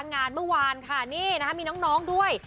งานเมื่อวานค่ะนี่นะคะมีน้องด้วย